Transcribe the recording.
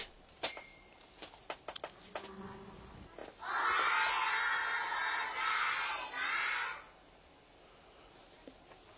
おはようございます。